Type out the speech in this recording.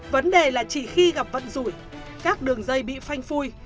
vấn đề là chỉ khi gặp vận rủi các đường dây bị phanh phui